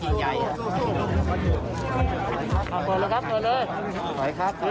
หลวงพ่อแดงกิจิตไว้